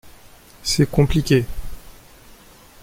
C’est compliqué.